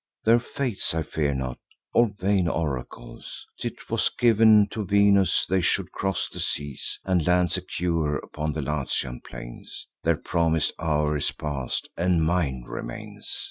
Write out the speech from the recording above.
Their fates I fear not, or vain oracles. 'Twas giv'n to Venus they should cross the seas, And land secure upon the Latian plains: Their promis'd hour is pass'd, and mine remains.